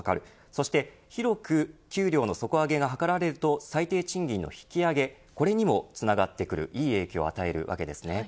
そして、広く給料の底上げが図られると最低賃金の引き上げこれにもつながってくるいい影響を与えてくるわけですね。